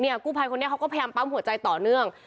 กู้ภัยคนนี้เขาก็พยายามปั๊มหัวใจต่อเนื่อง